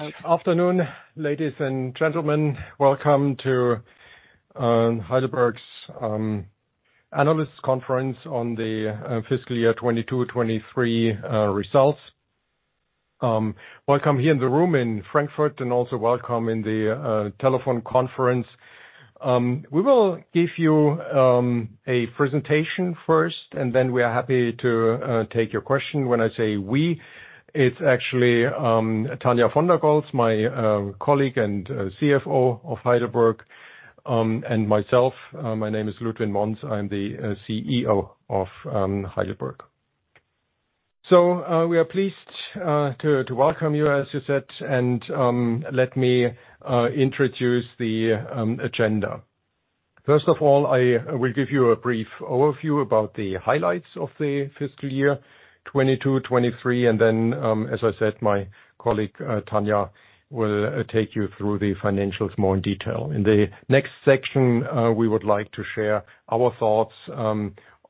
Good afternoon, ladies and gentlemen. Welcome to Heidelberg's analyst conference on the fiscal year 2022, 2023 results. Welcome here in the room in Frankfurt, also welcome in the telephone conference. We will give you a presentation first, then we are happy to take your question. When I say we, it's actually Tania von der Goltz, my colleague and CFO of Heidelberg, and myself. My name is Ludwin Monz. I'm the CEO of Heidelberg. We are pleased to welcome you, as you said, and let me introduce the agenda. First of all, I will give you a brief overview about the highlights of the fiscal year 2022, 2023, and then, as I said, my colleague, Tania, will take you through the financials more in detail. In the next section, we would like to share our thoughts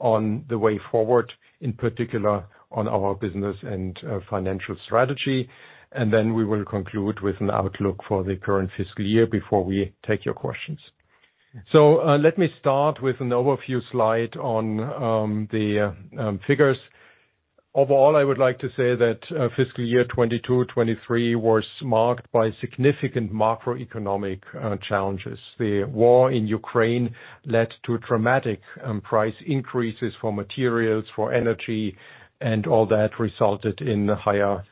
on the way forward, in particular on our business and financial strategy, and then we will conclude with an outlook for the current fiscal year before we take your questions. Let me start with an overview slide on the figures. Overall, I would like to say that fiscal year 2022, 2023 was marked by significant macroeconomic challenges. The war in Ukraine led to dramatic price increases for materials, for energy, and all that resulted in higher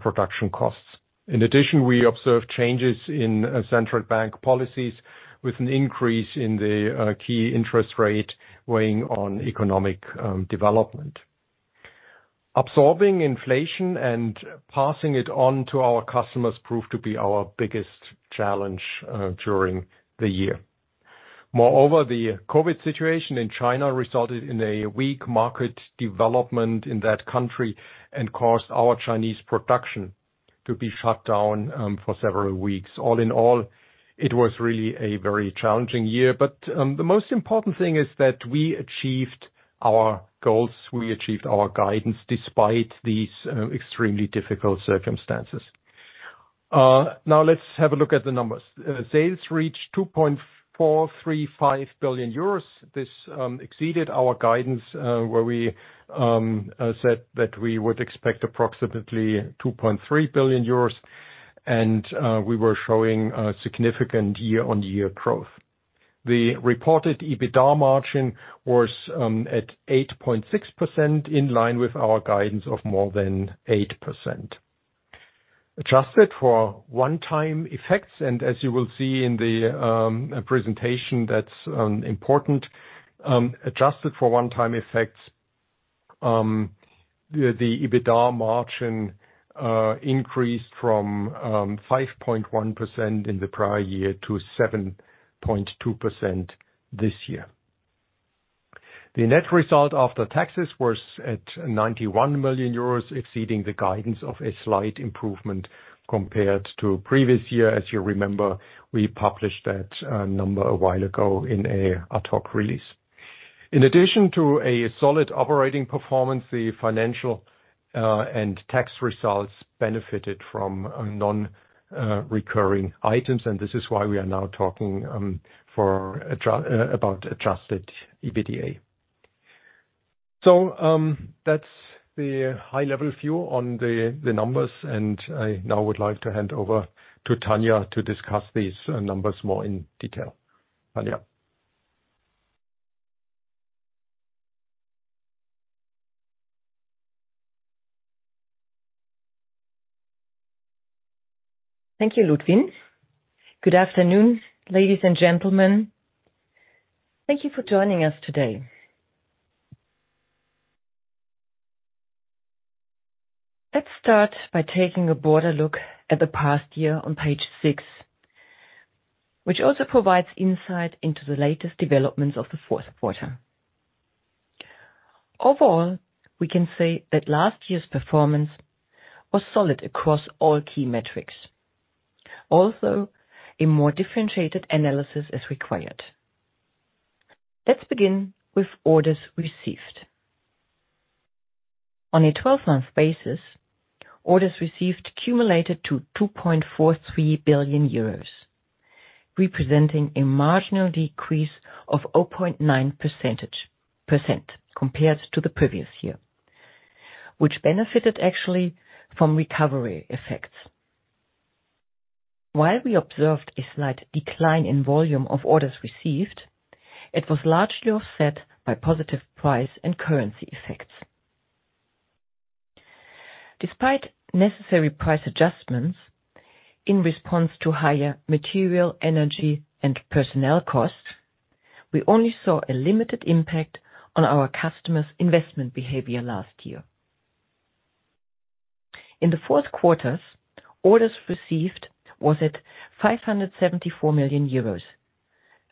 production costs. In addition, we observed changes in central bank policies, with an increase in the key interest rate weighing on economic development. Absorbing inflation and passing it on to our customers proved to be our biggest challenge during the year. Moreover, the COVID situation in China resulted in a weak market development in that country and caused our Chinese production to be shut down for several weeks. All in all, it was really a very challenging year, but the most important thing is that we achieved our goals, we achieved our guidance despite these extremely difficult circumstances. Now let's have a look at the numbers. Sales reached 2.435 billion euros. This exceeded our guidance, where we said that we would expect approximately 2.3 billion euros. We were showing a significant year-over-year growth. The reported EBITDA margin was at 8.6%, in line with our guidance of more than 8%. Adjusted for one-time effects. As you will see in the presentation, that's important. Adjusted for one-time effects, the EBITDA margin increased from 5.1% in the prior year to 7.2% this year. The net result after taxes was at 91 million euros, exceeding the guidance of a slight improvement compared to previous year. As you remember, we published that number a while ago in a ad hoc release. In addition to a solid operating performance, the financial and tax results benefited from non-recurring items, and this is why we are now talking about adjusted EBITDA. That's the high-level view on the numbers, and I now would like to hand over to Tania to discuss these numbers more in detail. Tania? Thank you, Ludwin. Good afternoon, ladies and gentlemen. Thank you for joining us today. Let's start by taking a broader look at the past year on page six, which also provides insight into the latest developments of the fourth quarter. Overall, we can say that last year's performance was solid across all key metrics, although a more differentiated analysis is required. Let's begin with orders received. On a 12-month basis, orders received cumulated to 2.43 billion euros, representing a marginal decrease of 0.9% compared to the previous year, which benefited actually from recovery effects. While we observed a slight decline in volume of orders received, it was largely offset by positive price and currency effects. Despite necessary price adjustments in response to higher material, energy, and personnel costs, we only saw a limited impact on our customers' investment behavior last year. In the fourth quarters, orders received was at 574 million euros,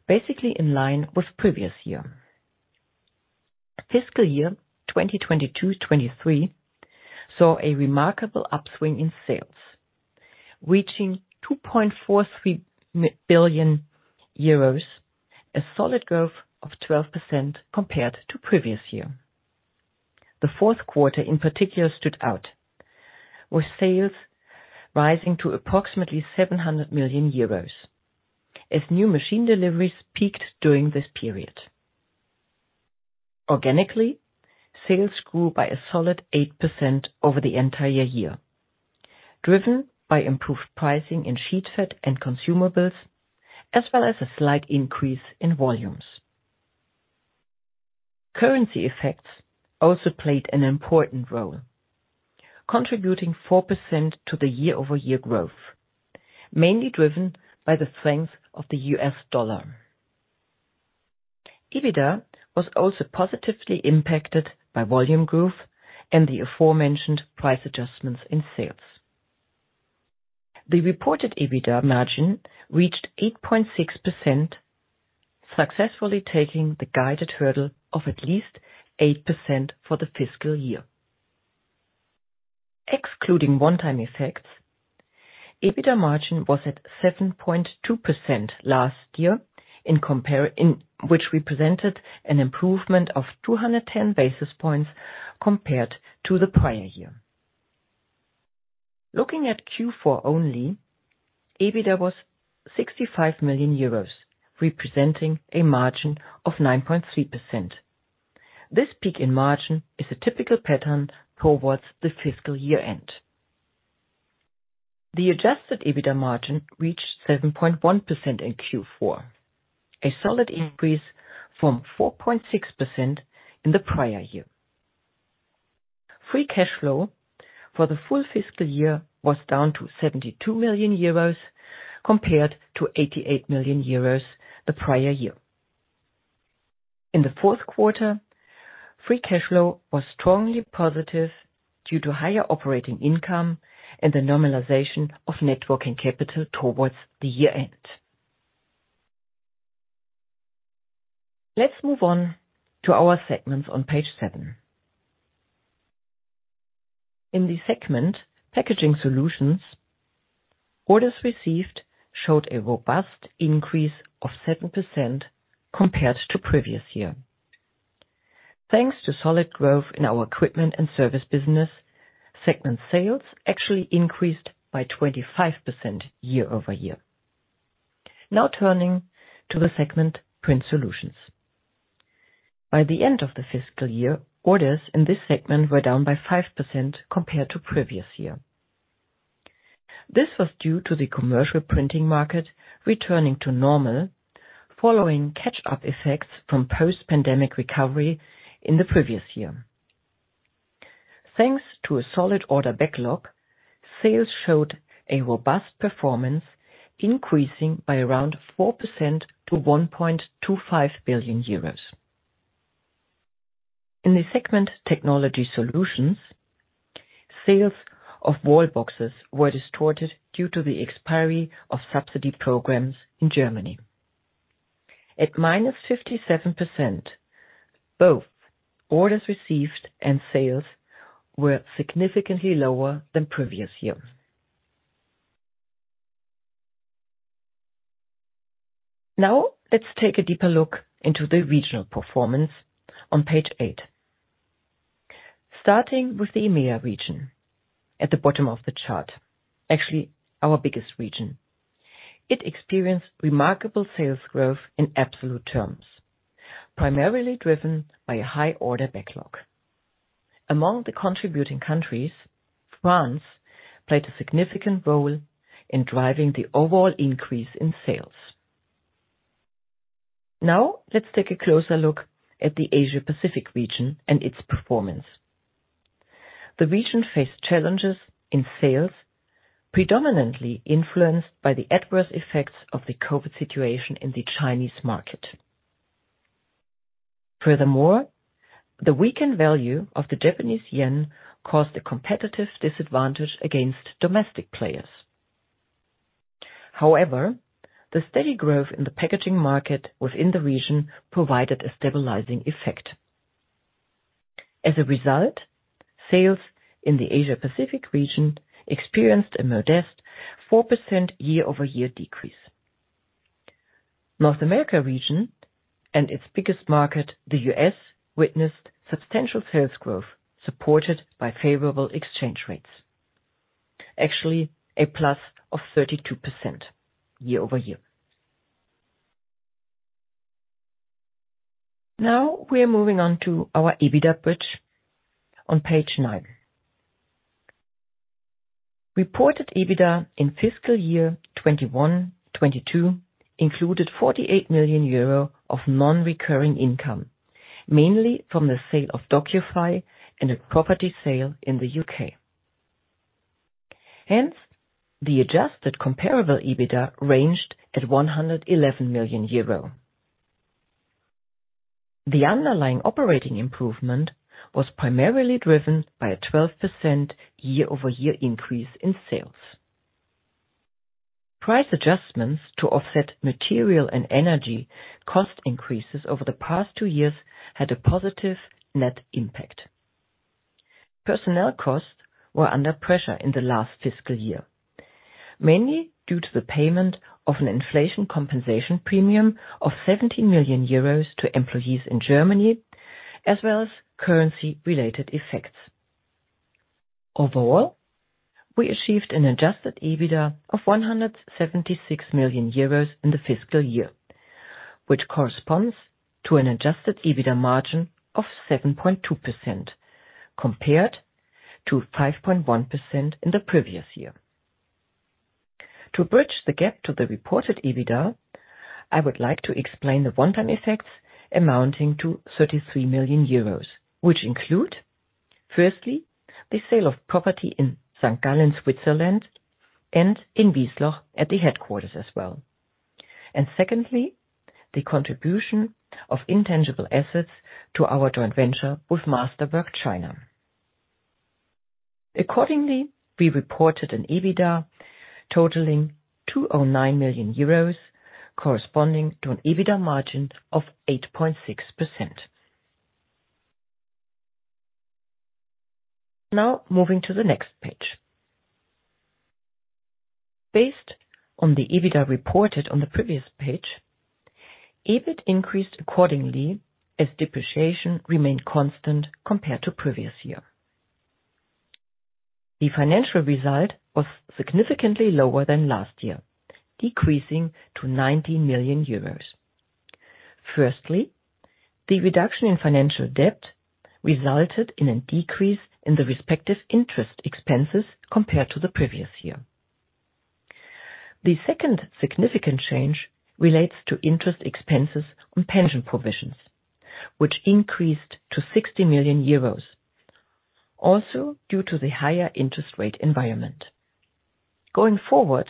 basically in line with previous year. Fiscal year 2022, 2023 saw a remarkable upswing in sales, reaching 2.43 billion euros, a solid growth of 12% compared to previous year. The fourth quarter, in particular, stood out, with sales rising to approximately 700 million euros, as new machine deliveries peaked during this period. Organically, sales grew by a solid 8% over the entire year, driven by improved pricing in sheetfed and consumables, as well as a slight increase in volumes. Currency effects also played an important role, contributing 4% to the year-over-year growth, mainly driven by the strength of the US dollar. EBITDA was also positively impacted by volume growth and the aforementioned price adjustments in sales. The reported EBITDA margin reached 8.6%, successfully taking the guided hurdle of at least 8% for the fiscal year. Excluding one-time effects, EBITDA margin was at 7.2% last year, in which we presented an improvement of 210 basis points compared to the prior year. Looking at Q4 only, EBITDA was 65 million euros, representing a margin of 9.3%. This peak in margin is a typical pattern towards the fiscal year-end. The adjusted EBITDA margin reached 7.1% in Q4, a solid increase from 4.6% in the prior year. Free cash flow for the full fiscal year was down to 72 million euros compared to 88 million euros the prior year. In the fourth quarter, free cash flow was strongly positive due to higher operating income and the normalization of net working capital towards the year-end. Let's move on to our segments on page seven. In the segment, Packaging Solutions, orders received showed a robust increase of 7% compared to previous year. Thanks to solid growth in our equipment and service business, segment sales actually increased by 25% year-over-year. Turning to the segment, Print Solutions. By the end of the fiscal year, orders in this segment were down by 5% compared to previous year. This was due to the commercial printing market returning to normal, following catch-up effects from post-pandemic recovery in the previous year. Thanks to a solid order backlog, sales showed a robust performance, increasing by around 4% to 1.25 billion euros. In the segment, Technology Solutions, sales of wall boxes were distorted due to the expiry of subsidy programs in Germany. At -57%, both orders received and sales were significantly lower than previous years. Let's take a deeper look into the regional performance on page eight. Starting with the EMEA region at the bottom of the chart, actually, our biggest region. It experienced remarkable sales growth in absolute terms, primarily driven by a high order backlog. Among the contributing countries, France played a significant role in driving the overall increase in sales. Let's take a closer look at the Asia Pacific region and its performance. The region faced challenges in sales, predominantly influenced by the adverse effects of the COVID situation in the Chinese market. Furthermore, the weakened value of the Japanese yen caused a competitive disadvantage against domestic players. However, the steady growth in the packaging market within the region provided a stabilizing effect. As a result, sales in the Asia Pacific region experienced a modest 4% year-over-year decrease. North America region and its biggest market, the US, witnessed substantial sales growth, supported by favorable exchange rates. Actually, a plus of 32% year-over-year. Now, we are moving on to our EBITDA bridge on page nine. Reported EBITDA in fiscal year 2021, 2022 included 48 million euro of non-recurring income, mainly from the sale of DOCUFY and a property sale in the UK. Hence, the adjusted comparable EBITDA ranged at 111 million euro. The underlying operating improvement was primarily driven by a 12% year-over-year increase in sales. Price adjustments to offset material and energy cost increases over the past two years had a positive net impact. Personnel costs were under pressure in the last fiscal year. mainly due to the payment of an inflation compensation premium of 70 million euros to employees in Germany, as well as currency-related effects. Overall, we achieved an adjusted EBITDA of 176 million euros in the fiscal year, which corresponds to an adjusted EBITDA margin of 7.2%, compared to 5.1% in the previous year. To bridge the gap to the reported EBITDA, I would like to explain the one-time effects amounting to 33 million euros, which include, firstly, the sale of property in St. Gallen, Switzerland, and in Wiesloch at the headquarters as well. Secondly, the contribution of intangible assets to our joint venture with Masterwork Group. Accordingly, we reported an EBITDA totaling 209 million euros, corresponding to an EBITDA margin of 8.6%. Moving to the next page. Based on the EBITDA reported on the previous page, EBIT increased accordingly, as depreciation remained constant compared to previous year. The financial result was significantly lower than last year, decreasing to 90 million euros. The reduction in financial debt resulted in a decrease in the respective interest expenses compared to the previous year. The second significant change relates to interest expenses on pension provisions, which increased to 60 million euros, also due to the higher interest rate environment. Going forward,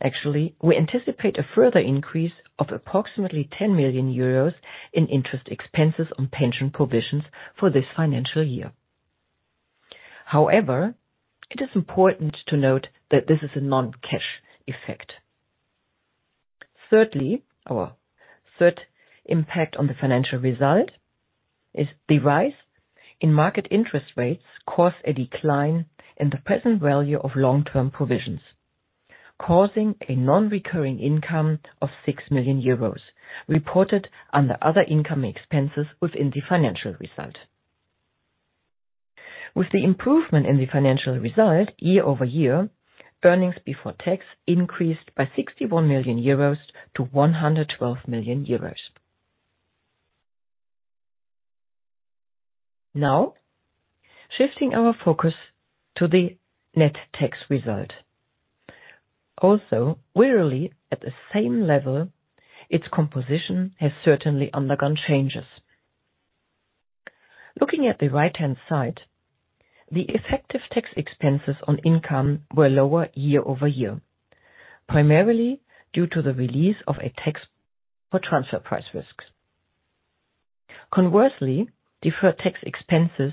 actually, we anticipate a further increase of approximately 10 million euros in interest expenses on pension provisions for this financial year. It is important to note that this is a non-cash effect. Thirdly, our third impact on the financial result is the rise in market interest rates caused a decline in the present value of long-term provisions, causing a non-recurring income of 6 million euros, reported under other income expenses within the financial result. With the improvement in the financial result year-over-year, earnings before tax increased by 61 million euros to 112 million euros. Now, shifting our focus to the net tax result. Also, rarely at the same level, its composition has certainly undergone changes. Looking at the right-hand side, the effective tax expenses on income were lower year-over-year, primarily due to the release of a tax for transfer price risks. Conversely, deferred tax expenses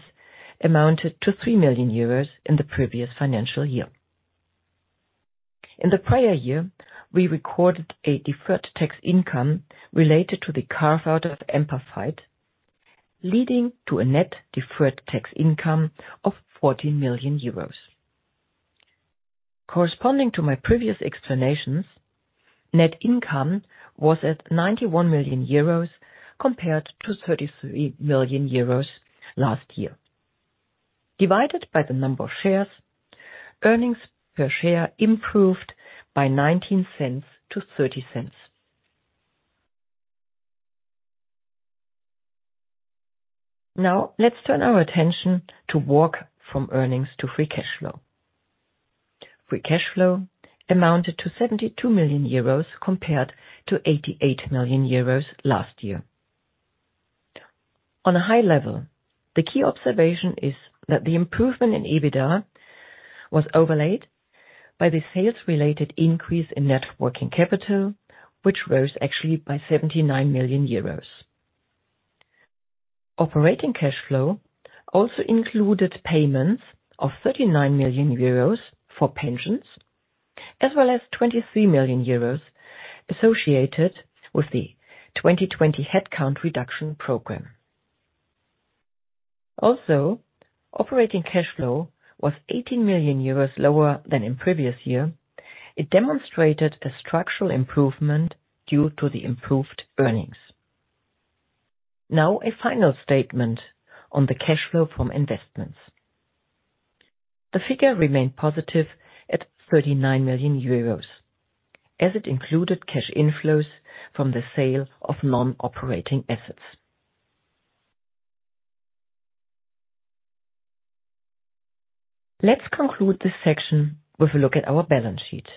amounted to 3 million euros in the previous financial year. In the prior year, we recorded a deferred tax income related to the carve-out of Amperfied, leading to a net deferred tax income of 14 million euros. Corresponding to my previous explanations, net income was at 91 million euros, compared to 33 million euros last year. Divided by the number of shares, earnings per share improved by 0.19 to 0.30. Now, let's turn our attention to work from earnings to free cash flow. Free cash flow amounted to 72 million euros, compared to 88 million euros last year. On a high level, the key observation is that the improvement in EBITDA was overlaid by the sales-related increase in net working capital, which rose actually by 79 million euros. Operating cash flow also included payments of 39 million euros for pensions, as well as 23 million euros associated with the 2020 headcount reduction program. Operating cash flow was 18 million euros lower than in previous year. It demonstrated a structural improvement due to the improved earnings. A final statement on the cash flow from investments. The figure remained positive at 39 million euros, as it included cash inflows from the sale of non-operating assets. Let's conclude this section with a look at our balance sheet.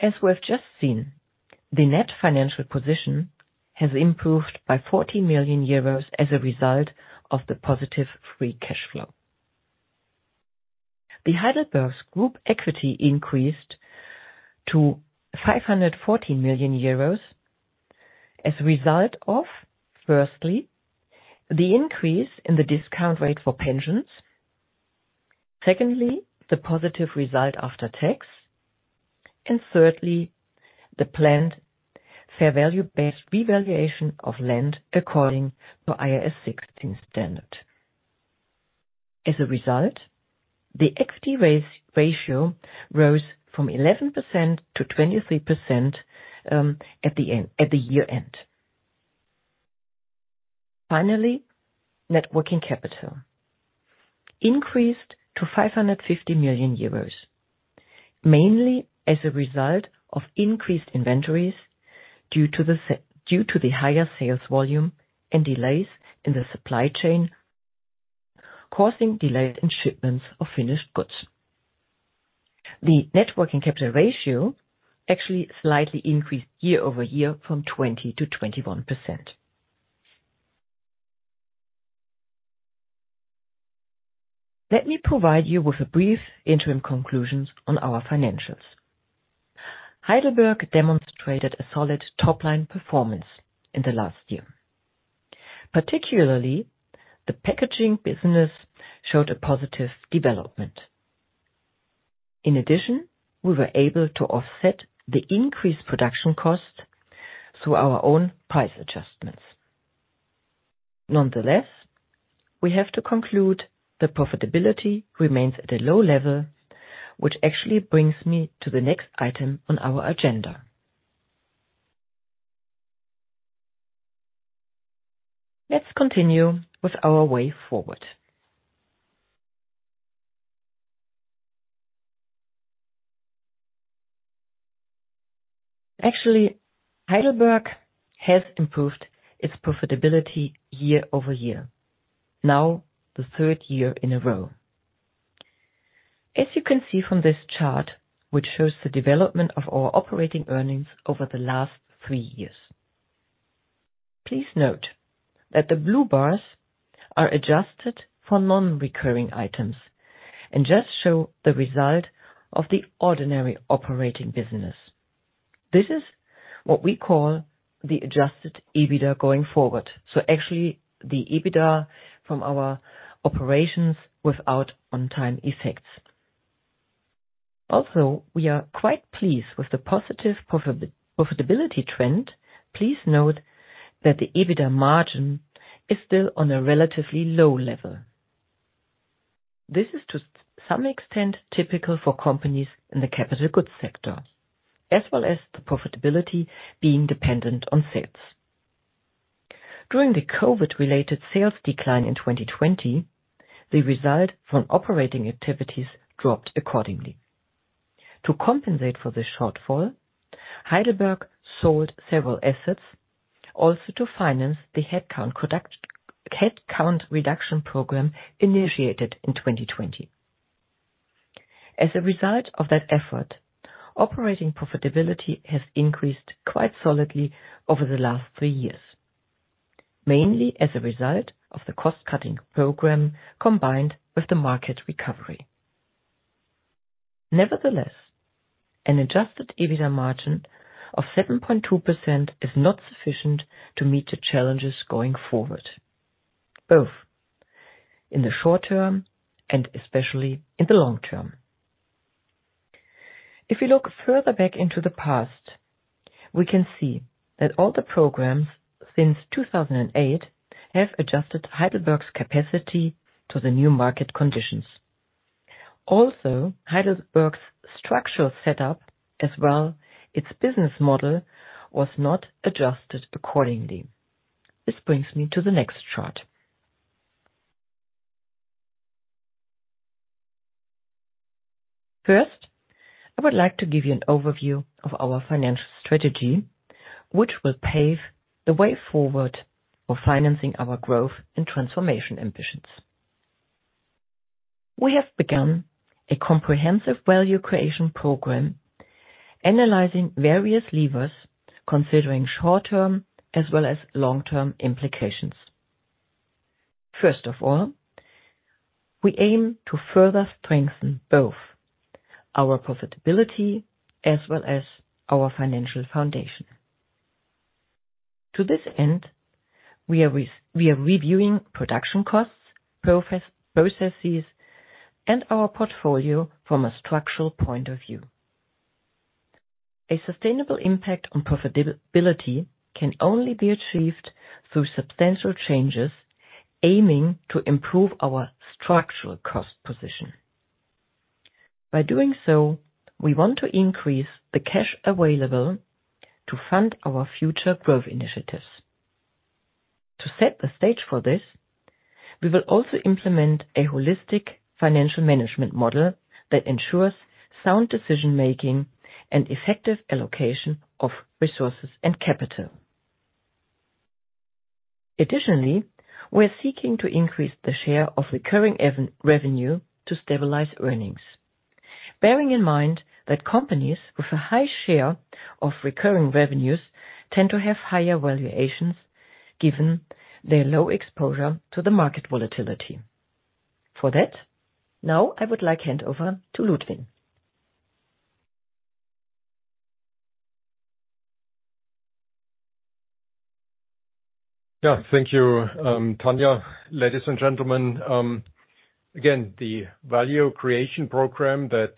As we have just seen, the net financial position has improved by 40 million euros as a result of the positive free cash flow. The Heidelberg's Group equity increased to 540 million euros as a result of, firstly, the increase in the discount rate for pensions. Secondly, the positive result after tax. Thirdly, the planned fair value-based revaluation of land according to IAS 16 standard. As a result, the equity ratio rose from 11%-23% at the year-end. Finally, net working capital increased to 550 million euros, mainly as a result of increased inventories due to the higher sales volume and delays in the supply chain, causing delays in shipments of finished goods. The net working capital ratio actually slightly increased year-over-year from 20%-21%. Let me provide you with a brief interim conclusions on our financials. Heidelberg demonstrated a solid top-line performance in the last year. Particularly, the packaging business showed a positive development. In addition, we were able to offset the increased production costs through our own price adjustments. Nonetheless, we have to conclude that profitability remains at a low level, which actually brings me to the next item on our agenda. Let's continue with our way forward. Actually, Heidelberg has improved its profitability year-over-year, now the third year in a row. As you can see from this chart, which shows the development of our operating earnings over the last three years. Please note that the blue bars are adjusted for non-recurring items and just show the result of the ordinary operating business. This is what we call the adjusted EBITDA going forward. Actually, the EBITDA from our operations without one-time effects. We are quite pleased with the positive profitability trend. Please note that the EBITDA margin is still on a relatively low level. This is, to some extent, typical for companies in the capital goods sector, as well as the profitability being dependent on sales. During the COVID-related sales decline in 2020, the result from operating activities dropped accordingly. To compensate for this shortfall, Heidelberg sold several assets, also to finance the headcount reduction program initiated in 2020. As a result of that effort, operating profitability has increased quite solidly over the last three years, mainly as a result of the cost-cutting program, combined with the market recovery. Nevertheless, an adjusted EBITDA margin of 7.2% is not sufficient to meet the challenges going forward, both in the short term and especially in the long term. If we look further back into the past, we can see that all the programs since 2008 have adjusted Heidelberg's capacity to the new market conditions. Also, Heidelberg's structural setup, as well its business model, was not adjusted accordingly. This brings me to the next chart. First, I would like to give you an overview of our financial strategy, which will pave the way forward for financing our growth and transformation ambitions. We have begun a comprehensive value creation program, analyzing various levers, considering short-term as well as long-term implications. First of all, we aim to further strengthen both our profitability as well as our financial foundation. To this end, we are reviewing production costs, processes, and our portfolio from a structural point of view. A sustainable impact on profitability can only be achieved through substantial changes, aiming to improve our structural cost position. By doing so, we want to increase the cash available to fund our future growth initiatives. To set the stage for this, we will also implement a holistic financial management model that ensures sound decision-making and effective allocation of resources and capital. Additionally, we are seeking to increase the share of recurring revenue to stabilize earnings. Bearing in mind that companies with a high share of recurring revenues tend to have higher valuations, given their low exposure to the market volatility. For that, now I would like hand over to Ludwin. Yeah, thank you, Tania. Ladies and gentlemen, again, the value creation program that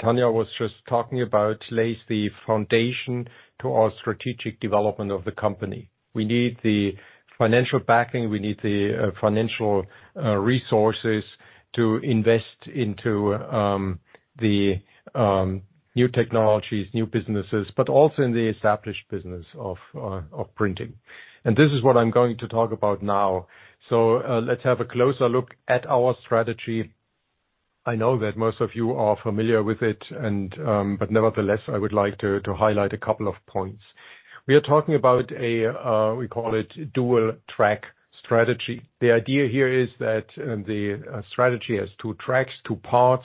Tania was just talking about lays the foundation to our strategic development of the company. We need the financial backing, we need the financial resources to invest into the new technologies, new businesses, but also in the established business of printing. This is what I'm going to talk about now. Let's have a closer look at our strategy. I know that most of you are familiar with it. Nevertheless, I would like to highlight a couple of points. We are talking about a we call it dual-track strategy. The idea here is that the strategy has two tracks, two parts.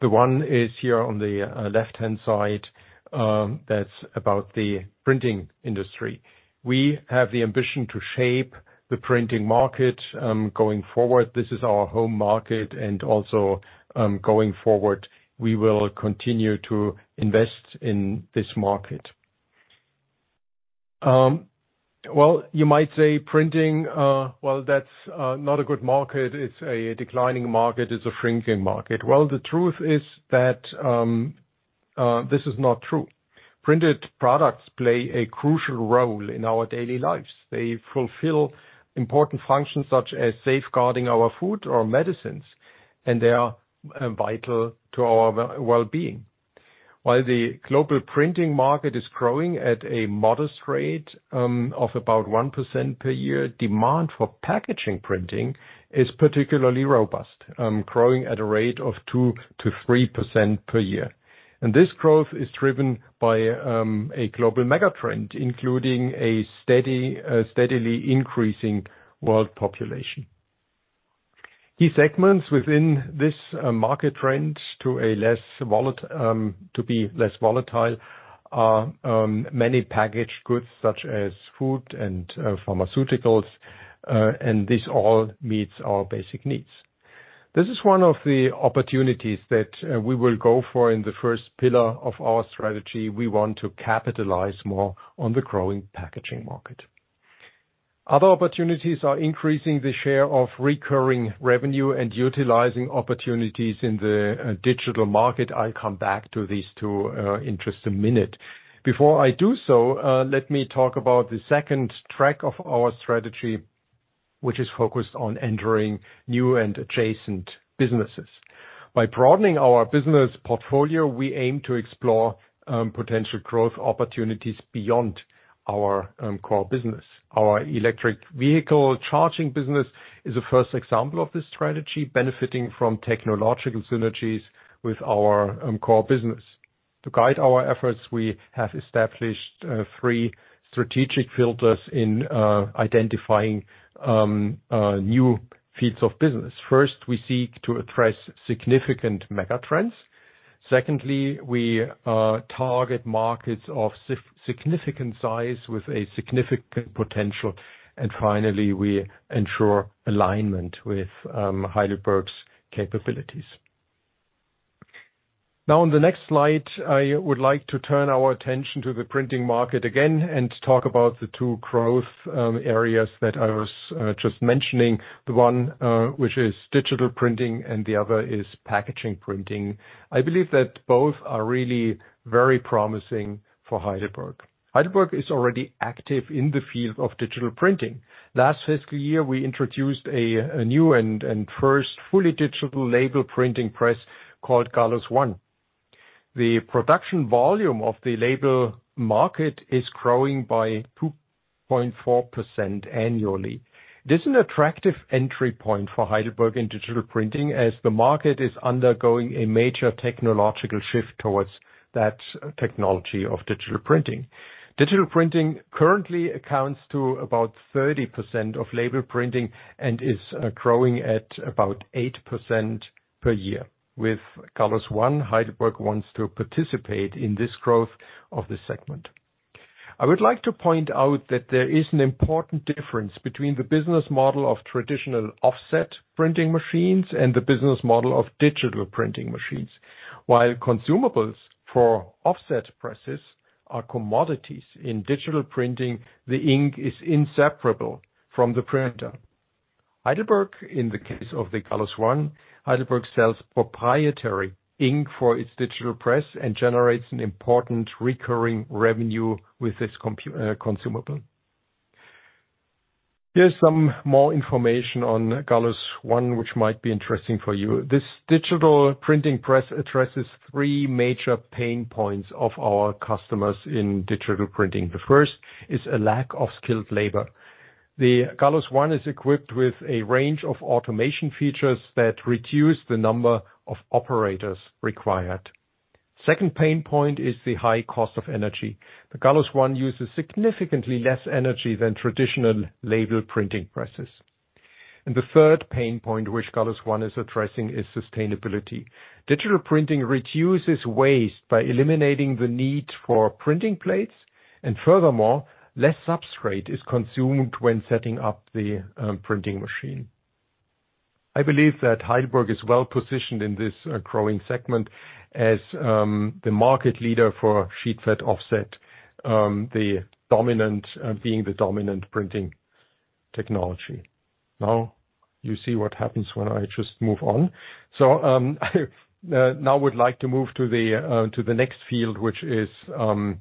The one is here on the left-hand side, that's about the printing industry. We have the ambition to shape the printing market, going forward. This is our home market and also, going forward, we will continue to invest in this market. Well, you might say printing, well, that's not a good market. It's a declining market. It's a shrinking market. Well, the truth is that this is not true. Printed products play a crucial role in our daily lives. They fulfill important functions, such as safeguarding our food or medicines, and they are vital to our well-being. While the global printing market is growing at a modest rate, of about 1% per year, demand for packaging printing is particularly robust, growing at a rate of 2%-3% per year. This growth is driven by a global mega trend, including a steady, steadily increasing world population. Key segments within this market trend to be less volatile are many packaged goods such as food and pharmaceuticals. This all meets our basic needs. This is one of the opportunities that we will go for in the first pillar of our strategy. We want to capitalize more on the growing packaging market. Other opportunities are increasing the share of recurring revenue and utilizing opportunities in the digital market. I'll come back to these two in just a minute. Before I do so, let me talk about the second track of our strategy, which is focused on entering new and adjacent businesses. By broadening our business portfolio, we aim to explore potential growth opportunities beyond our core business. Our electric vehicle charging business is the first example of this strategy, benefiting from technological synergies with our core business. To guide our efforts, we have established three strategic filters in identifying new fields of business. We seek to address significant mega trends. We target markets of significant size with a significant potential. Finally, we ensure alignment with Heidelberg's capabilities. On the next slide, I would like to turn our attention to the printing market again and talk about the two growth areas that I was just mentioning. The one which is digital printing and the other is packaging printing. I believe that both are really very promising for Heidelberg. Heidelberg is already active in the field of digital printing. Last fiscal year, we introduced a new and first fully digital label printing press called Gallus One. The production volume of the label market is growing by 2.4% annually. This is an attractive entry point for Heidelberg in digital printing, as the market is undergoing a major technological shift towards that technology of digital printing. Digital printing currently accounts to about 30% of label printing and is growing at about 8% per year. With Gallus One, Heidelberg wants to participate in this growth of the segment. I would like to point out that there is an important difference between the business model of traditional offset printing machines and the business model of digital printing machines. While consumables for offset presses are commodities, in digital printing, the ink is inseparable from the printer. Heidelberg, in the case of the Gallus One, Heidelberg sells proprietary ink for its digital press and generates an important recurring revenue with this consumable. Here's some more information on Gallus One, which might be interesting for you. This digital printing press addresses three major pain points of our customers in digital printing. The first is a lack of skilled labor. The Gallus One is equipped with a range of automation features that reduce the number of operators required. Second pain point is the high cost of energy. The Gallus One uses significantly less energy than traditional label printing presses. The third pain point, which Gallus One is addressing, is sustainability. Digital printing reduces waste by eliminating the need for printing plates, and furthermore, less substrate is consumed when setting up the printing machine. I believe that Heidelberg is well positioned in this growing segment as the market leader for sheet-fed offset, being the dominant printing technology. You see what happens when I just move on. Now I would like to move to the next field, which is the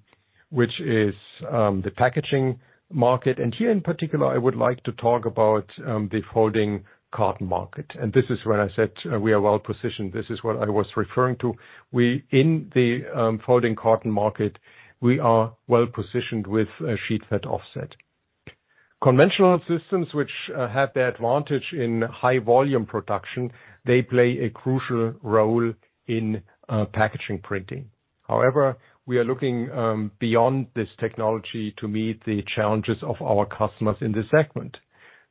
packaging market. Here in particular, I would like to talk about the folding carton market. This is when I said we are well positioned. This is what I was referring to. In the folding carton market, we are well positioned with a sheet-fed offset. Conventional systems, which have the advantage in high volume production, they play a crucial role in packaging printing. However, we are looking beyond this technology to meet the challenges of our customers in this segment.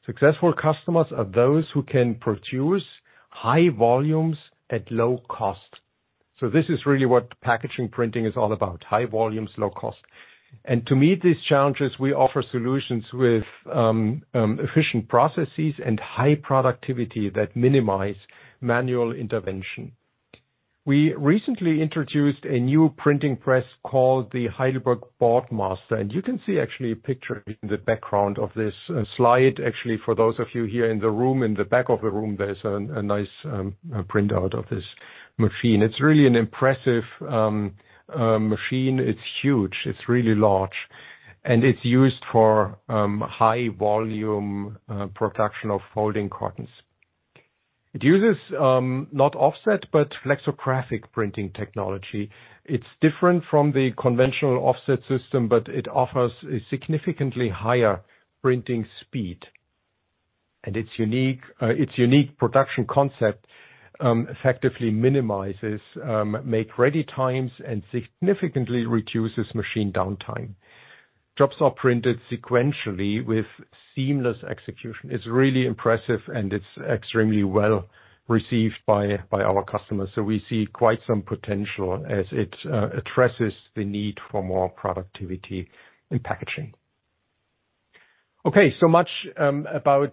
Successful customers are those who can produce high volumes at low cost. This is really what packaging printing is all about: high volumes, low cost. To meet these challenges, we offer solutions with efficient processes and high productivity that minimize manual intervention. We recently introduced a new printing press called the Heidelberg Boardmaster, and you can see actually a picture in the background of this slide. Actually, for those of you here in the room, in the back of the room, there's a nice printout of this machine. It's really an impressive machine. It's huge. It's really large, and it's used for high volume production of folding cartons. It uses not offset, but flexographic printing technology. It's different from the conventional offset system, but it offers a significantly higher printing speed, and its unique, its unique production concept effectively minimizes make ready times and significantly reduces machine downtime. Jobs are printed sequentially with seamless execution. It's really impressive, and it's extremely well received by our customers. We see quite some potential as it addresses the need for more productivity in packaging. Okay, so much about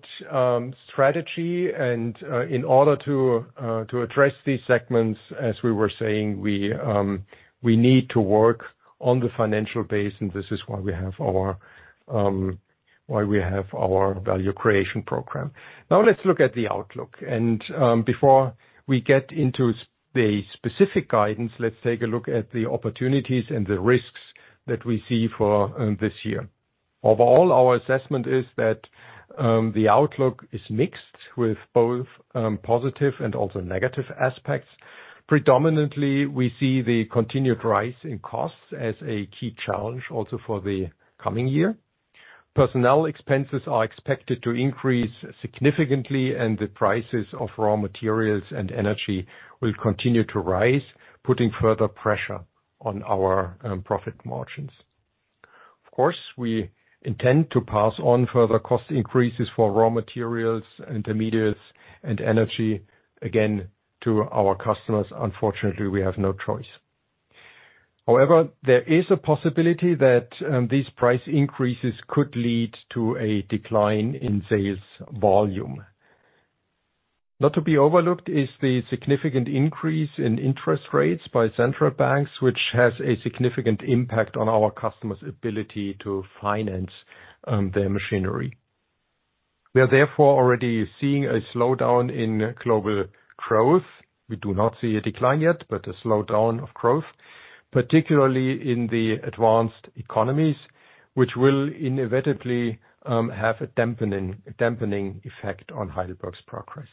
strategy. In order to address these segments, as we were saying, we need to work on the financial base, and this is why we have our why we have our value creation program. Now, let's look at the outlook. Before we get into the specific guidance, let's take a look at the opportunities and the risks that we see for this year. Overall, our assessment is that the outlook is mixed with both positive and also negative aspects. Predominantly, we see the continued rise in costs as a key challenge also for the coming year. Personnel expenses are expected to increase significantly, and the prices of raw materials and energy will continue to rise, putting further pressure on our profit margins. Of course, we intend to pass on further cost increases for raw materials, intermediates, and energy, again, to our customers. Unfortunately, we have no choice. However, there is a possibility that these price increases could lead to a decline in sales volume. Not to be overlooked is the significant increase in interest rates by central banks, which has a significant impact on our customers' ability to finance their machinery. We are therefore already seeing a slowdown in global growth. We do not see a decline yet, but a slowdown of growth, particularly in the advanced economies, which will inevitably have a dampening effect on Heidelberg's progress.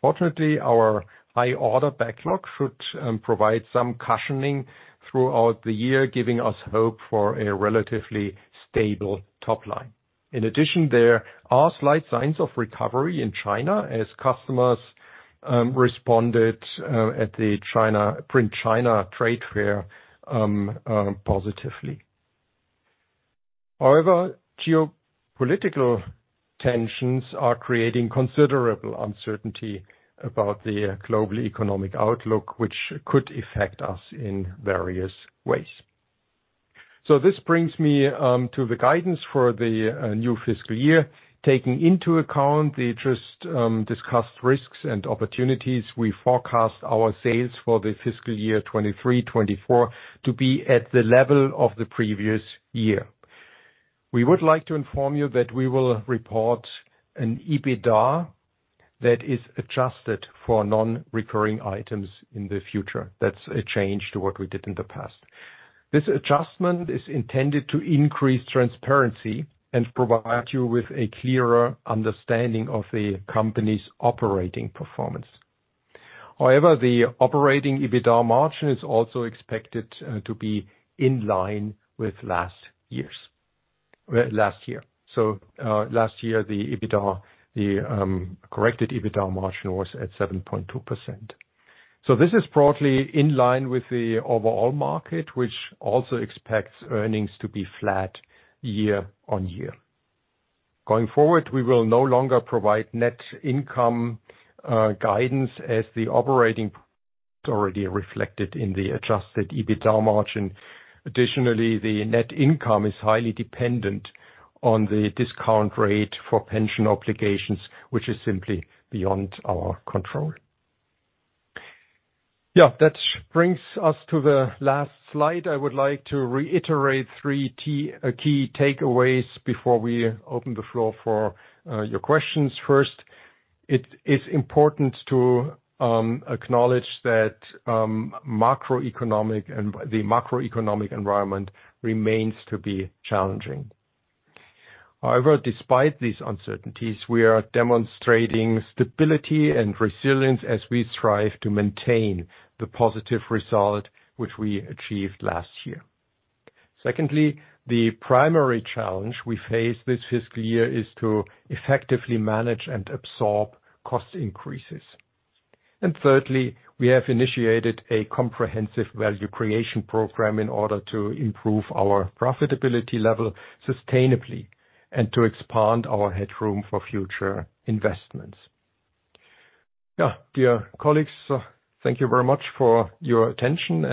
Fortunately, our high order backlog should provide some cushioning throughout the year, giving us hope for a relatively stable top line. In addition, there are slight signs of recovery in China as customers responded at the Print China trade fair positively. Geopolitical tensions are creating considerable uncertainty about the global economic outlook, which could affect us in various ways. This brings me to the guidance for the new fiscal year. Taking into account the just discussed risks and opportunities, we forecast our sales for the fiscal year 2023, 2024 to be at the level of the previous year. We would like to inform you that we will report an EBITDA that is adjusted for non-recurring items in the future. That's a change to what we did in the past. This adjustment is intended to increase transparency and provide you with a clearer understanding of the company's operating performance. However, the operating EBITDA margin is also expected to be in line with last year. Last year, the EBITDA, the corrected EBITDA margin, was at 7.2%. This is broadly in line with the overall market, which also expects earnings to be flat year-on-year. Going forward, we will no longer provide net income guidance as the operating is already reflected in the adjusted EBITDA margin. Additionally, the net income is highly dependent on the discount rate for pension obligations, which is simply beyond our control. That brings us to the last slide. I would like to reiterate three key takeaways before we open the floor for your questions. First, it is important to acknowledge that the macroeconomic environment remains to be challenging. However, despite these uncertainties, we are demonstrating stability and resilience as we strive to maintain the positive result which we achieved last year. Secondly, the primary challenge we face this fiscal year is to effectively manage and absorb cost increases. Thirdly, we have initiated a comprehensive value creation program in order to improve our profitability level sustainably and to expand our headroom for future investments. Dear colleagues, thank you very much for your attention.